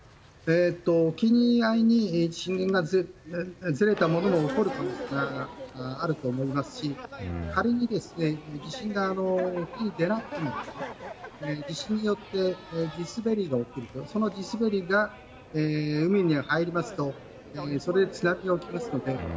沖合に震源がずれたものが起こる可能性があると思いますし仮に地震が強くなくても地震によって地滑りが起きて地滑りが海に入りますとそれで津波が起きますので。